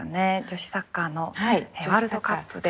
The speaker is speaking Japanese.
女子サッカーのワールドカップで。